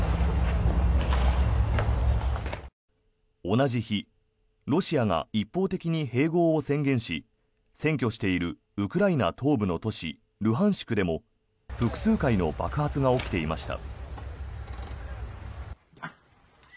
同じ日ロシアが一方的に併合を宣言し占拠しているウクライナ東部の都市ルハンシクでも複数回の爆発が起きていました。